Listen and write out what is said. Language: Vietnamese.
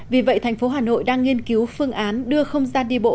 vì vậy thành phố hà nội đang nghiên cứu phương án đưa không gian đi bộ